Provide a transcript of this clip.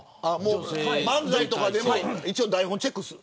漫才とかでも台本チェックする。